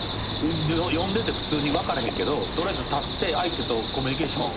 読んでて普通に分からへんけど取りあえず立って相手とコミュニケーション。